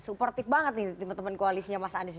supportif banget nih teman teman koalisinya mas anies